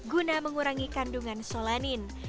guna mengurangi kandungan solanin